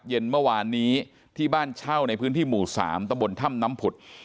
เย็นเมื่อวานนี้ที่บ้านเช่าในพื้นที่หมู่๓ตะบนถ้ำน้ำผุด